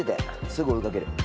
すぐ追いかける。